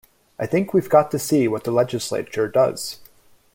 I think we've got to see what the Legislature does.